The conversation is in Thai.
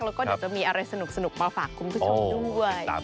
แล้วก็เดี๋ยวจะมีอะไรสนุกมาฝากคุณผู้ชมด้วย